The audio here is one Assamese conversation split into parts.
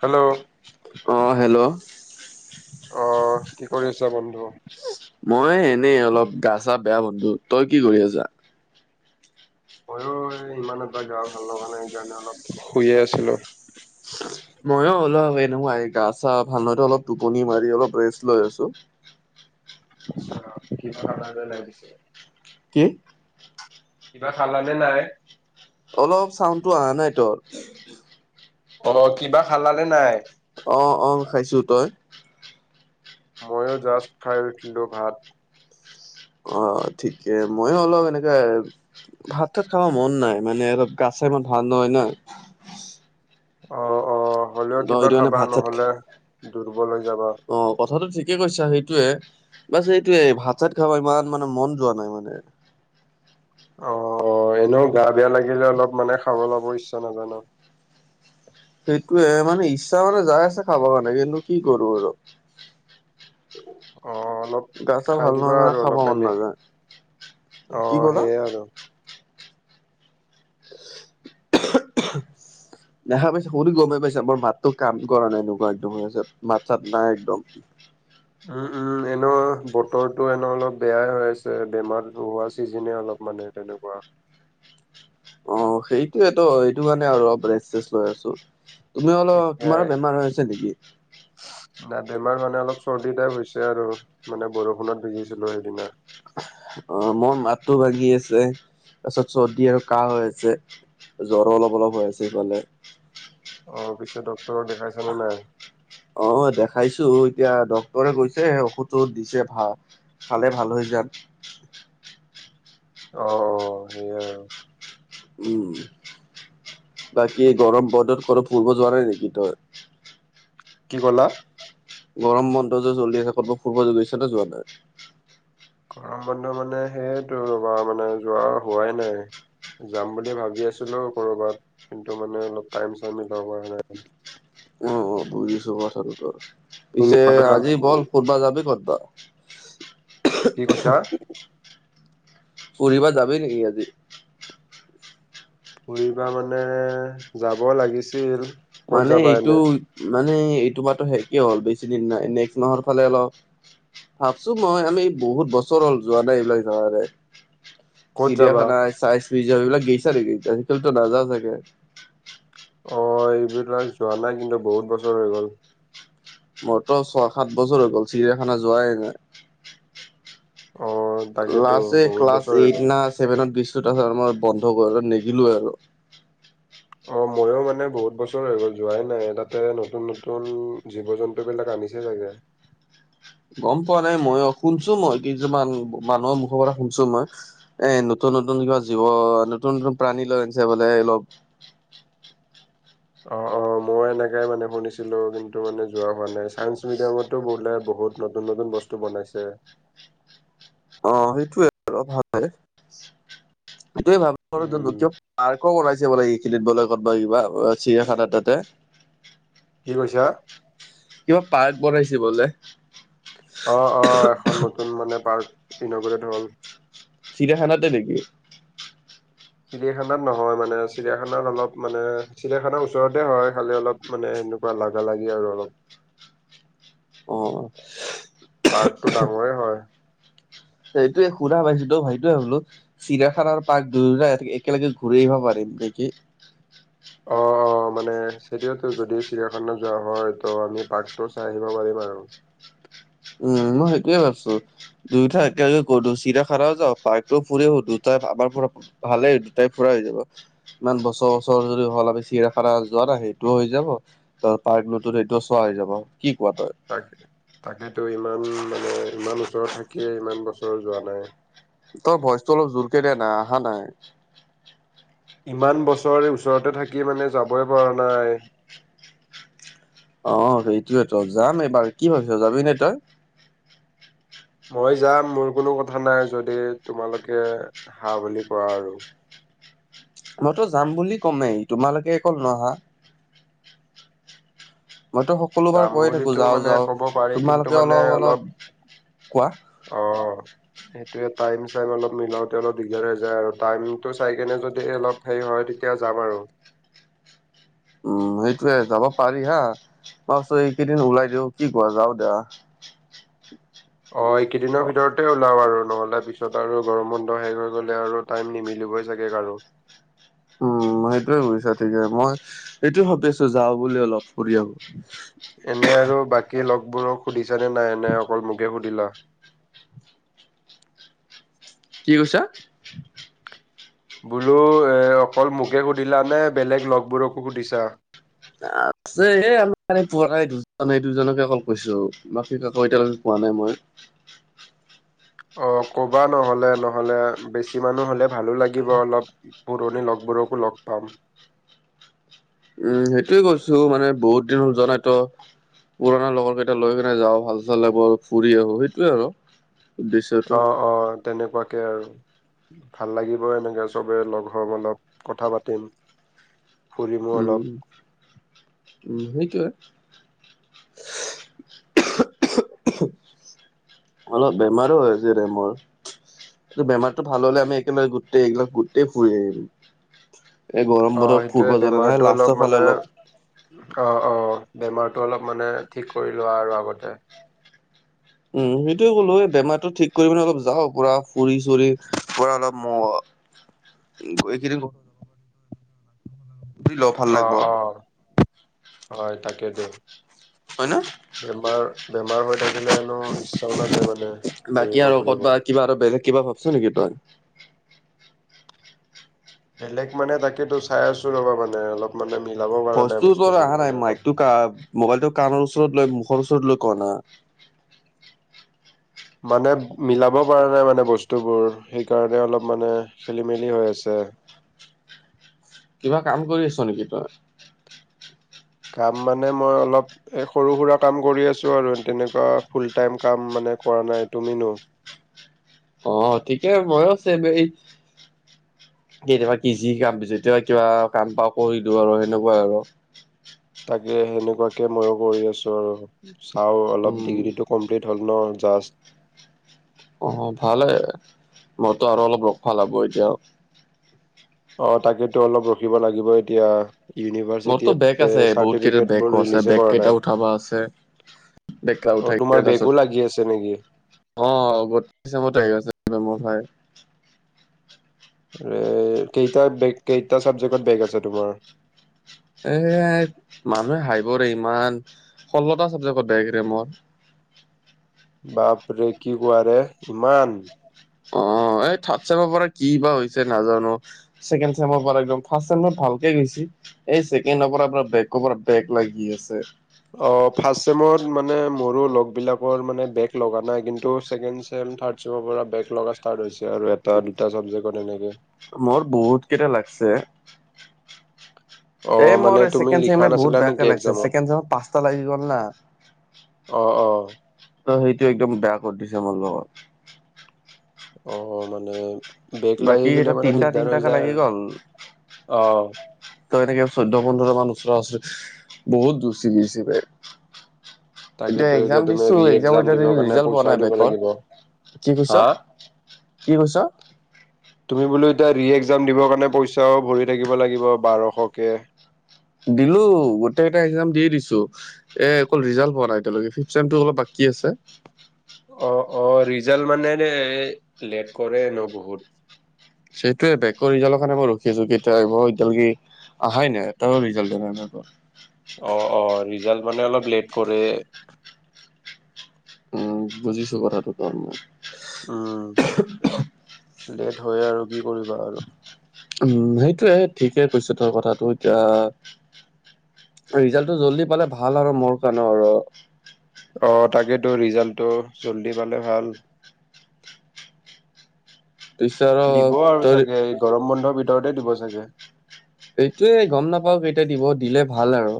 হেল্ল', অ, হেল্ল', অ, কি কৰি আছিলা বন্ধু? মই এনেই অলপ গা চা বেয়া বন্ধু তই কি কৰি আছা? ময়ো এই ইমান এটা গা ভাল লগা নাই সেইকাৰণে অলপ শুইয়ে আছিলোঁ। মইয়ো অলপ এনেকুৱাই গা চা ভাল নহয় টো অলপ টোপনি মাৰি অলপ ৰেষ্ট লৈ আছো। আচ্ছা কিবা লাগা যে লাগিছে। কি? কিবা খালানে নে নাই? অলপ চাউণ্ডো আহা নাই তৰ? অ, কিবা খালানে নাই? অ', অ', খাইছো তই? ময়ো জাষ্ট খাই উঠলোঁ ভাত। অ, ঠিকে মইও অলপ এনেকে ভাত তাত খাব মন নাই মানে অলপ গা চা ইমান ভাল নহয় না। অ অ হ'লেও ত কিবা সেইটো কাৰণে খাবা ভাত চাত নহ'লে দুর্বল হৈ যাবা। অ কথাটো ঠিকে কৈছা সেইটোৱে। বাচ সেইটোয়ে ভাত চাত খাব ইমান মানে মন যোৱা নাই মানে। অ', এনেও গা বেয়া লাগিলে অলপ মানে খাব ল'ব ইচ্ছা নাযায় ন'। সেইটোয়ে মানে ইচ্ছা মানে যাই আছে খাব কাৰণে কিন্তু কি কৰো আৰু। অ, অলপ গা চা খাই ভাল নহয় দিবা কাৰণে আৰু খাব অলপ মন এনে নাযায়। অ, কি ক'লা? হেইয়ে আৰু। দেখা পাইছোঁ বহুত দিন গমেই পাইছা মোৰ মাতটো কাম কৰা নাই এনেকুৱা একদম হৈ আছে মাত চাত নাই একদম উম উম এনেও বতৰটো এনেও অলপ বেয়াই হৈ আছে বেমাৰ হোৱা চিজনে অলপ মানে তেনেকুৱা। অৱ সেইটোয়েতো সেইটো কাৰণে আৰু অলপ ৰেছ লৈ আছোঁ তুমি অলপ তোমাৰো বেমাৰ হৈ আছে নেকি? নাই বেমাৰ মানে অলপ চৰ্দি টাইপ হৈছে আৰু মানে বৰষুণত ভিজিছিলো সেইদিনা। অঁ মোৰ মাতটো ভাগি আছে তাৰ পাছত চৰ্দি আৰু কাঁহ হৈ আছে। জ্বৰো অলপ অলপ হৈ আছে সিফালে। অ পিছে ডক্তৰক দেখাইছানে নাই? অঁ দেখাইছো এতিয়া ডক্তৰে কৈছে ঔষধটো দিছে ভাল- খালে ভাল হৈ যাম। অ। সেইয়াই আৰু উম বাকী গৰম বতৰত কতো ফুৰিব যোৱা নাই নেকি তই? কি ক'লা? গৰম বন্ধ যে চলি আছে ক'তো ফুৰিব গৈছেনে যোৱা নাই? গৰম বন্ধ মানে সেইটো ৰব মানে যোৱা হোৱাই নাই। যাম বুলি ভাবি আছিলো কৰবাত কিন্তু মানে অলপ টাইম চাইম মিলাব পৰা নাই অ অ বুজিছো কথাটৰ তুমি পিছে ক'তো যোৱা নাই আজি নেকি ব'ল কত বা যাবি ক'ত বা। কি কৈছা? ফুৰিব যাবি নেকি আজি? ফুৰিবা মানে যাব লাগিছিল। ক'ত মানে যাবা এইটো এনে মানে এইটো মাহতো শেষেই হ'ল বেছি দিন নাই নেক্সট মাহৰ ফালে অলপ- ভাবছো মই আমি বহুত বছৰ হ'ল যোৱা নাই এইবিলাক জাগালে। ক'ত যাবা চিৰিয়াখানা, চাইজ মিজিয়াম এইবিলাক গেইছা নেকি? তুমিত নাযাও চাগে। অঁ এইবিলাক যোৱা নাই কিন্তু বহুত বছৰ হৈ গ'ল। মোৰট ছয় সাত বছৰ হৈ গ'ল চিৰিয়াখানা যোৱাই নাই। অ তাকেতো লাষ্ট এই বহুত ক্লাছ বছৰ হৈ এইট গ'ল না চছেভেনত গেইছো তাৰপিছত মই বন্ধ কৰি নিগিলো আৰু। অ মইও মানে বহুত বছৰ হৈ গ'ল যোৱাই নাই তাতে নতুন নতুন জীৱ জন্তু- বিলাক আনিছে চাগে। গম পোৱা নাই মইয়ো শুনছো মই কিছুমান মানুহৰ মুখৰ পৰা শুনছো মই। এ নতুন নতুন কিবা জীৱ নতুন নতুন প্ৰাণী লৈ আনিছে বোলে অলপ- অঁ অঁ মই এনেকাই মানে শুনিছিলো কিন্তু মানে যোৱা হোৱা নাই। চাইন্স মিডিয়ামতো বোলে বহুত- নতুন নতুন বস্তু বনাইছে। অঁ সেইটোয়ে আৰু ভাবে [unintelligible] সেইটোয়ে ভাবে আৰু উম দুতিয় পাৰ্ক [unintelligible] আকৌ বনাইছে বোলে এইখিনিত বোলে ক'ত বা কিবা চিৰিয়াখানা তাতে। কি কৈছা? কিবা পাৰ্ক বনাইছে বোলে। অ অ এখন নতুন মানে পাৰ্ক ইনগোৰেট হ'ল। চিৰিয়াখানাতে নেকি? চিৰিয়াখানাত নহয় মানে চিৰিয়াখানাত অলপ মানে চিৰিয়াখানাৰ ওচৰতে হয় খালি অলপ- মানে এনেকুৱা লাগা লাগি আৰু অলপ। অ পাৰ্কটো ডাঙৰে হয়। সেইটোৱে শুনা পাইছোঁ তো ভাইটোৱে বোলো। চিৰিয়াখানাৰ পাৰ্ক দুয়োৰে এ একেলগে ঘূৰি আহিবা পাৰিম নেকি অঅ। অ মানে সেইটোৱেটো যদি চিৰিয়াখানা যোৱা হয় ত' আমি পাৰ্কটো চাই আহিব পাৰিম আৰু। উম মই সেইটোয়ে ভাবছো। দুইটা একেলগে গলো চিৰিয়াখানাও যাওঁ পাইকটো ফুৰি আহো, দুইটা আমাৰ পৰা ভালেই দুটাই ফুৰা হৈ যাব। ইমান বছৰ বছৰ ধৰি হ'ল আমি চিৰিয়াখানা যোৱা সেইটোও হৈ যাব। ত' পাৰ্ক নতুন সেইটোও চোৱা হৈ যাব। কি কোৱা তই? তাক তাকেতো ইমান মানে ইমান ওচৰত থাকিয়ে ইমান বছৰ যোৱা নাই। তই ভইচটো অলপ জোৰকে দিয়া না আহা নাই। ইমান বছৰে ওচৰতে থাকি মানে যাবই পৰা নাই। অঁ সেইটোৱেটো যাম এইবাৰ কি ভাবিছ যাবি নে তই? মই যাম মোৰ কোনো কথা নাই যদি তোমালোকে হা বুলি কোৱা আৰু। মইটো যাম বুলি ক'মেই তোমালোকে অকল নহা। মইটো সকলোবাৰ যাম কৈয়ে থাকো বুলিতো যাওঁ মানে যাওঁ। ক'ব পাৰি কিন্তু তোমালোকে অলপ অলপ কোৱা। অহ। সেইটোৱে টাইম চাইম অলপ মিলাওঁতে অলপ দিকদাৰে হৈ যায় আৰু টাইমটো চাই কেনে যদিহে অলপ হেৰী হয় তেতিয়া যাম আৰু। উম সেইটোৱে যাব পাৰি হা, বাছ এইকেইদিন ওলাই দিওঁ কি কোৱা? যাওঁ দিয়া। অ এইকেইদিনৰ ভিতৰতে ওলাওঁ আৰু নহ'লে পিছত আৰু গৰম বন্ধ শেষ হৈ গ'লে আৰু টাইম নিমিলিবই চাগে কাৰো। উম সেইটোৱে বুজিছা ঠিকে। মই এইটোৱে ভাবি আছোঁ যাওঁ বুলি অলপ ফুৰি আহো। এনে আৰু বাকী লগবোৰক সুধিছানে নাই? নে অকল মোকে সুধিলা? কি কৈছা? বোলো এ অকল মোকে সুধিলা নে বেলেগ লগবোৰকো সুধিছা? আছে এই আমি কোৱা নাই দুজন এই দুজনকে অকল কৈছোঁ। বাকী কাকো এতিয়ালৈকে কোৱা নাই মই। অ ক'বা নহ'লে, নহ'লে বেছি মানুহ হ'লে ভালো লাগিব অলপ। পুৰণি লগবোৰকো লগ পাম। উম সেইটোৱে কৈছোঁ মানে বহুত দিন হ'ল যোৱা নাই ত'। পুৰণা লগৰ কেইটা লৈ কেনে যাওঁ ভাল চাল লাগব ফুৰি আহো সেইটোৱে আৰু। উদ্দেশ্যটো অ অ তেনেকুৱাকে আৰু। ভাল লাগিব এনেকে চবে লগ হম অলপ কথা পাতিম। ফুৰিমো অলপ উম উম সেইটোৱে। অলপ বেমাৰো হৈ আছে ৰে মোৰ। তো বেমাৰটো ভাল হ'লে আমি একেলগে গোটেই এইগিলাক গোটেই ফুৰি আহিম। এই গৰম অ বন্ধত ফুৰিব সেইটোয়ে যৰে নহয় বেমাৰটো অলপ লাষ্টৰ ফালে মানে অলপ। অ অ বেমাৰটো অলপ মানে ঠিক কৰি লোৱা আৰু আগতে। উম, সেইটোৱে ক'লো এ বেমাৰটো ঠিক কৰি মানে অলপ যাওঁ পুৰা ফুৰি চুৰি পুৰা অলপ ম [inaudible] গৈ কিনি ল ভাল অ লাগিব অ হয় তাকেটো। হয় ন? বাৰু বেমাৰ হৈ থাকিলে এনেও ইচ্ছাও নাযায় মানে বাকী ফুৰিব আৰু ফুৰিব। ক'তবা কিবা এইটো বেলেগ কিবা ভা বিছ নেকি তই? বেলেগ মানে তাকেটো চাই আছোঁ ৰ'বা মানে অলপ মানে মিলাব পাৰা নাই ভইচটো তোৰ বস্তুবোৰ অহা নাই মানে অলপ। মাইকটো কা মোবাইলটো কাণৰ ওচৰত লৈ মুখৰ ওচৰত লৈ ক না। মানে মিলাব পৰা নাই মানে বস্তুবোৰ। সেইকাৰণে অলপ মানে খেলিমেলি হৈ আছে। কিবা কাম কৰি আছ নেকি তই? কাম মানে মই অলপ এ সৰু -সুৰা কাম কৰি আছো আৰু তেনেকুৱা ফুল টাইম কাম মানে কৰা নাই তুমিনো অ ঠিকে মইও আছোঁ এনেই কেতিয়াবা কি যি কাম যেতিয়াবা কিবা কাম পাওঁ কৰি দিওঁ আৰু সেনেকুৱা আৰু। তাকে সেনেকুৱাকে ময়ো কৰি আছোঁ আৰু চাওঁ অলপ উম, ডিগ্ৰীটো কমপ্লিট ধৰণৰ জাষ্ট অহ ভালে, মইতো আৰু অলপ লগ ভাল হ'ব এতিয়াও। অ তাকেতো অলপ ৰখিব লাগিব এতিয়া। মোৰতো ইউনিভাৰ্চিটিত বেক এ আছে, বহুত কেইটাত চাৰ্টিফিকেট বোৰ বেকো আছে। ৰিলিজে বেক কৰা কেইটা নাই উঠাব আছে। বেকলা অ তোমাৰ উঠাই তাছত বেগো লাগি আছে নেকি অ অগত আহি আছে ৰে মোৰ ভাই। এ কেইটা বেগ, কেইটা চাবজেক্টত বেগ আছে তোমাৰ? এ, মানুহে হাহিবৰে ইমান ষল্লটা চাবজেক্টত বেগ লাগিছে মোৰ। বাপৰে! কি কোৱাৰে ইমান। অ এই থাৰ্ড চেমৰ পৰা কি বা হৈছে নাজানো। ছেকেণ্ড চেমৰ পৰা একদম ফাৰ্ষ্ট চেমত ভালকে গৈছি। এই ছেকেণ্ডৰ আপোনাৰ বেগৰ পৰা বেগ লাগি আছে। অ, ফাষ্ট চেমত মানে মোৰো লগবিলাকৰ মানে বেগ নাই লগা কিন্তু ছেকেণ্ড চেম, থাৰ্ড ছেমৰ পৰা বেগ লগা ষ্টাৰ্ট হৈছে আৰু এটা দুটা চাবজেক্টত এনেকে। ত মোৰ বহুত কেইটা লাগছে। অ এ মানে মোৰ তুমি ছেকেণ্ড লিখা চেমে নাছিলা বহুত নেকি বেয়াকে লাগিছে, এক্জামত ছেকণ্ড ছেমত পাঁচটা লাগি গল না। অ। ত সেইটো একদম বেয়া কৰি দিছে মোৰ লগত। অ মানে বেগ লাগি বাকী গলে এটা মানে তিনটা দিগদাৰ হৈ তিনটাকে যায় লাগি আৰু গ'ল অ। ত এনেকে চৈধ্য, পোন্ধৰ মান ওচৰা-ওচৰি বহুত দুচি দিছে বেই। এতিয়া তাকেতো একজাম তুমি দিছো, ৰি এক্জাম একজামৰ দিবৰ এতিয়া কাৰণে ৰিজাল্ট পোৱা পইচাও নাই দিব লাগিব বেকৰ। কি কৈছ? হা কি কৈছ? তুমি বোলো এতিয়া ৰি একজাম দিবৰ কাৰণে পইচাও ভৰি থাকিব লাগিব বাৰশকে। দিলো, গোটেইকেইটা একজাম দি দিছোঁ। এ অকল ৰিজাল পোৱা নাই এতিয়ালকে ফিকচাৰটো অলপ বাকী আছে। অ অ ৰিজাল্ট মানে ৰে লেট কৰে ন বহুত। সেইটোৱে বেকৰ ৰিজাল কাৰনে মই ৰখি আছো কেতিয়া আহিব এতিয়ালৈকে আহাই নাই, এটাও ৰিজাল্ট অহা নাই আকৌ। অ, অ ৰিজাল্ট মানে অলপ লেট কৰে। উম বুজিছো কথাটো তোৰ মই। উম, লেট হয় আৰু কি কৰিবা আৰু। উম সেইটোয়ে ঠিকেই কৈছ তই কথাটো এতিয়া ৰিজাল্টটো জল্দি পালে ভাল আৰু মোৰ কাৰণেও আৰু। অ তাকেতো ৰিজাল্টটো জল্দি পালে ভাল। পিছে আৰু দিব আৰু তই চাগে এই গৰম বন্ধৰ ভিতৰতে দিব চাগে? এইটোয়ে গম নাপাও কেতিয়া দিব, দিলে ভাল আৰু।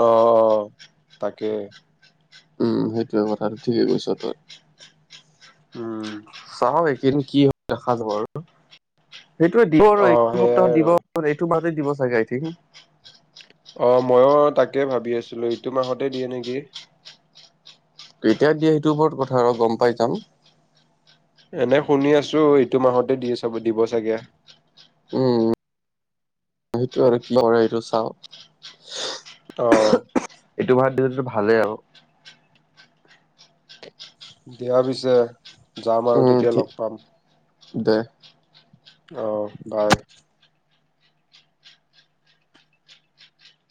অ, তাকে। উম সেইটোয়ে, কথাটো ঠিকে কৈছ তই। উম চাও এই কেইদিন কি হৈ দেখা যাব আৰু সেইটোৱে দিব আৰু অ এই সেইয়াই সপ্তাহত আৰু দিব। এইটো মাহতে দিব চাগে আইথিং। অ ময়ো তাকে ভাবি আছিলো ইটো মাহতে দিয়ে নেকি? কেতিয়া দিয়ে সেইটোৰ ওপৰত কথা আৰু গম পাই যাম। এনে শুনি আছো এইটো মাহতে দি চাব দিব চাগে? উম। সেইটো আৰু কিব এইটো চাওঁ। চু অ উহু উহ। এইটো ভাত দিটো ভালেই আৰু। দিয়া পিছে, যাম আৰু উম তেতিয়া ঠিক লগ পাম। দে অঁ, বাই।